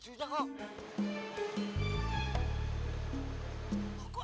tunggu tunggu tunggu